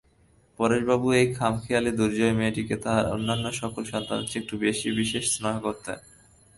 পরেশবাবু এই খামখেয়ালি দুর্জয় মেয়েটিকে তাঁহার অন্যান্য সকল সন্তানের চেয়ে একটু বিশেষ স্নেহই করিতেন।